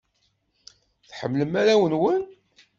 Tḥemmlem arraw-nwen?